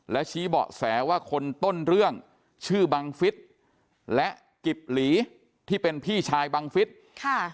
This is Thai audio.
และชี้เบาะแสว่าคนต้นเรื่องชื่อบังฟิศและกิบหลีที่เป็นพี่ชายบังฟิศค่ะ